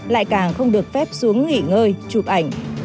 lại càng không được phép xuống nghỉ ngơi chụp ảnh